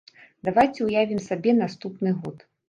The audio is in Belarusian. Давайце ўявім сабе наступны год.